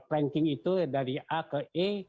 ranking itu dari a ke e